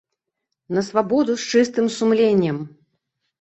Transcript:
На свабоду з чыстым сумленнем!